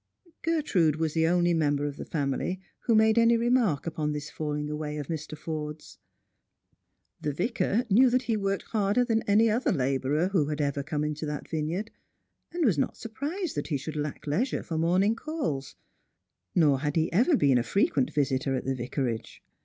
Gertrude was the only member of the family who made any remark upon this falling away of Mr. Porde's. The Vicar knew that he worked harder than any other labourer who had ever come into that vineyard, and was not surprised that he should lack leisure for morning calls; nor had he ever been a frequent visitor at the Vicarage.